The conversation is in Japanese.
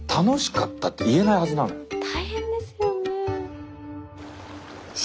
大変ですよね。